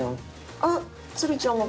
あっつるちゃんも。